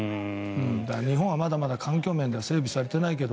日本はまだまだ環境面では整備されてないけど